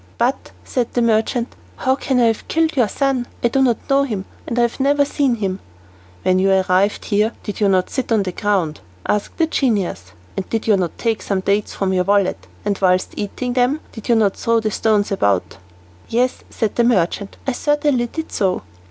"But," said the merchant, "how can I have killed your son? I do not know him, and I have never even seen him." "When you arrived here did you not sit down on the ground?" asked the genius, "and did you not take some dates from your wallet, and whilst eating them did not you throw the stones about?" "Yes," said the merchant, "I certainly did so."